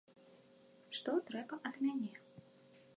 Што трэба ад мяне?